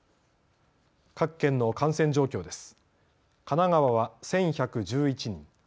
各県の感染状況です。